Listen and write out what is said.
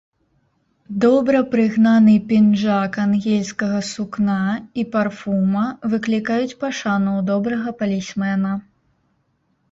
Добра прыгнаны пінжак ангельскага сукна і парфума выклікаюць пашану ў добрага палісмена.